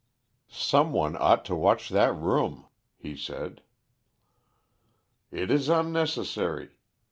"Some one ought to watch that room," he said. "It is unnecessary.